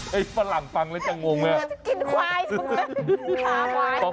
เฮ้ยฝรั่งฟังแล้วจะงงไงกลิ่นควายชาควาย